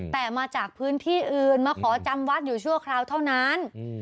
แต่มาจากพื้นที่อื่นมาขอจำวัดอยู่ชั่วคราวเท่านั้น